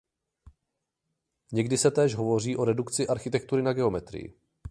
Někdy se též hovoří o redukci architektury na geometrii.